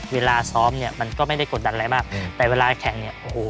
เวลาซ้อมเนี่ยมันก็ไม่ได้กดดันอะไรมากแต่เวลาแข่งเนี่ยโอ้โห